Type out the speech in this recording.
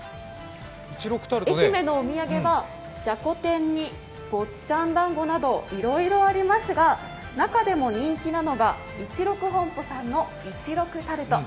愛媛のお土産はじゃこ天に坊ちゃんだんごなどいろいろありますが、中でも人気なのが一六本舗さんの一六タルト。